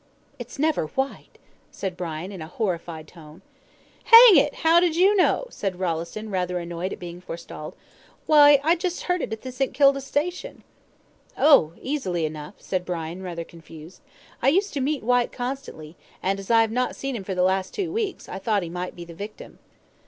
"It's never Whyte?" said Brian, in a horrified tone. "Hang it, how did you know?" said Rolleston, rather annoyed at being forestalled. "Why, I just heard it at the St. Kilda station." "Oh, easily enough," said Brian, rather confused. "I used to meet Whyte constantly, and as I have not seen him for the last two weeks, I thought he might be the victim."